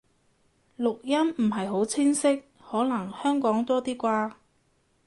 錄音唔係好清晰，可能香港多啲啩